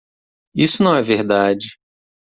Isso não é verdade.